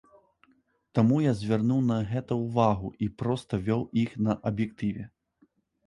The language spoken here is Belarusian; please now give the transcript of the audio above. Таму я звярнуў на гэта ўвагу і проста вёў іх на аб'ектыве.